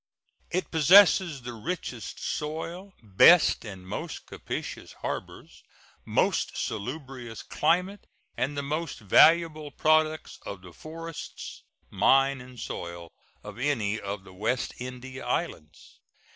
It possesses the richest soil, best and most capacious harbors, most salubrious climate, and the most valuable products of the forests, mine, and soil of any of the West India Islands.